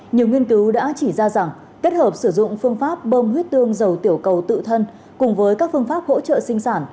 nhiều nghiên cứu đã chỉ ra rằng kết hợp sử dụng phương pháp bơm huyết tương dầu tiểu cầu tự thân cùng với các phương pháp hỗ trợ sinh sản